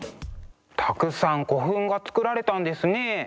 たくさん古墳が造られたんですね。